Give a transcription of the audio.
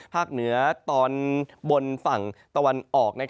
เหนือตอนบนฝั่งตะวันออก